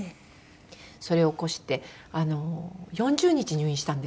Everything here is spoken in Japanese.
それを起こして４０日入院したんです。